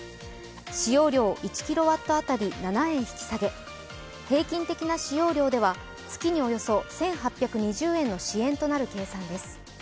使用量１キロワット当たり７円引き下げ、平均的な使用量では、月におよそ１８２０円程度の支援となる計算です。